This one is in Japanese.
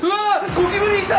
ゴキブリいた！